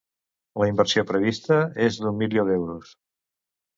La inversió prevista és d'un milió d'euros.